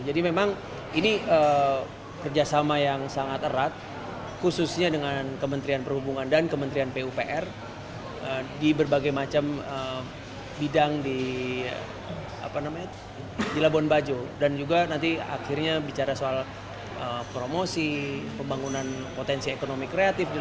jadi memang ini kerjasama yang sangat erat khususnya dengan kementerian perhubungan dan kementerian pupr di berbagai macam bidang di luar